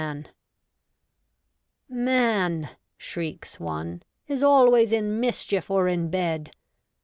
' Man,' shrieks one, ' is always in mischief or in bed.'